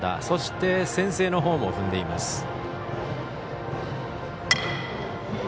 そして、先制のホームを踏んでいます。